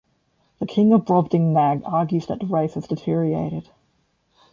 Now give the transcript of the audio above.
The King of Brobdingnag argues that the race has deteriorated.